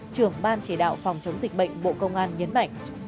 trưởng ban chỉ đạo phòng chống dịch bệnh bộ công an nhấn mạnh